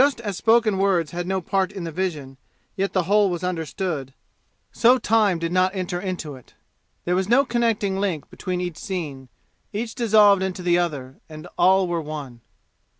Just as spoken words had no part in the vision, yet the whole was understood, so time did not enter into it. There was no connecting link between each scene; each dissolved into the other, and all were one.